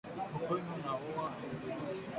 ukimwi unaua